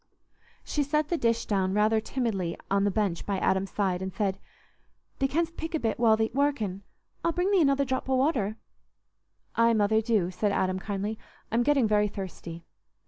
She set the dish down rather timidly on the bench by Adam's side and said, "Thee canst pick a bit while thee't workin'. I'll bring thee another drop o' water." "Aye, Mother, do," said Adam, kindly; "I'm getting very thirsty."